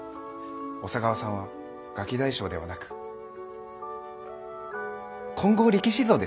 小佐川さんはガキ大将ではなく金剛力士像ですよね。